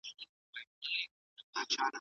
ولي سمي پوښتني مهمي دي؟